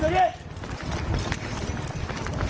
หยุดหยุด